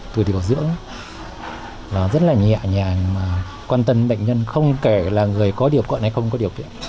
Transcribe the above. từ điều dưỡng nó rất là nhẹ nhàng quan tâm bệnh nhân không kể là người có điều cận hay không có điều kiện